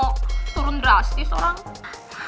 turun drastis orang